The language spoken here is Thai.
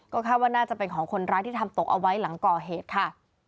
คาดว่าน่าจะเป็นของคนร้ายที่ทำตกเอาไว้หลังก่อเหตุค่ะ